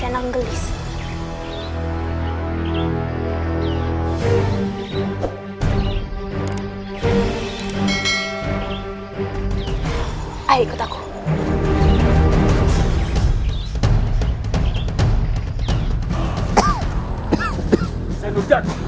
enanggelis air ikut aku